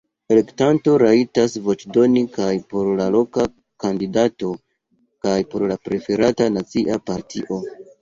Elektanto rajtas voĉdoni kaj por loka kandidato kaj por preferata nacia partio.